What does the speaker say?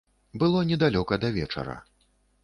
Было недалёка да вечара.